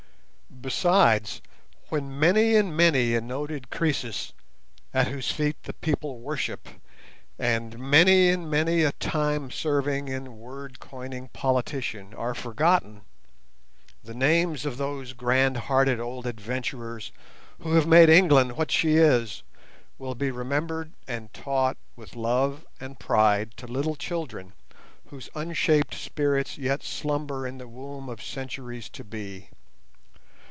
Besides, when many and many a noted Croesus, at whose feet the people worship, and many and many a time serving and word coining politician are forgotten, the names of those grand hearted old adventurers who have made England what she is, will be remembered and taught with love and pride to little children whose unshaped spirits yet slumber in the womb of centuries to be.